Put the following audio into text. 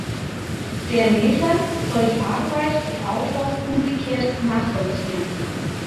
Der Leser soll die Arbeit des Autors umgekehrt nachvollziehen.